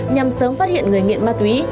nhằm sớm phát hiện người nghiện ma túy